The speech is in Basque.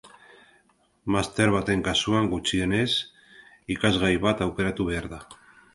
Master baten kasuan gutxienez irakasgai bat aukeratu behar da.